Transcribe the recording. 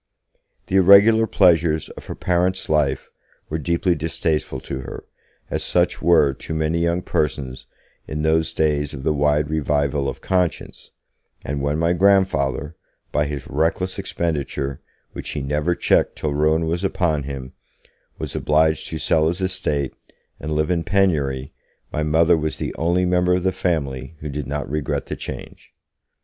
The irregular pleasures of her parents' life were deeply distasteful to her, as such were to many young persons in those days of the wide revival of Conscience, and when my grandfather, by his reckless expenditure, which he never checked till ruin was upon him, was obliged to sell his estate, and live in penury, my Mother was the only member of the family who did not regret the change.